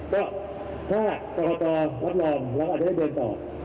ก็ถ้ากรกตรับรองเราอาจจะได้เดินต่อ